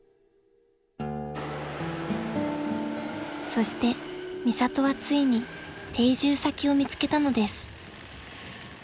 ［そしてミサトはついに定住先を見つけたのです］